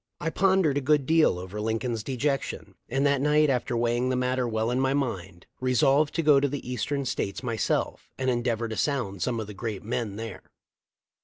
1 pondered a good deal over Lincoln's dejection, and that night, after weighing the matter well in mind, resolved to go to the eastern States myself and endeavor to sound some of the great men there.